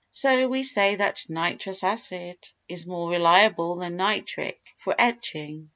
So we say that nitrous acid is more reliable than nitric for etching.